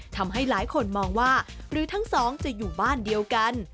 ทำให้หลายคนมองว่าหรือทั้งสองจะอยู่บ้านเดียวกัน